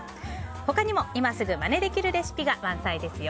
他にも、今すぐまねできるレシピが満載ですよ。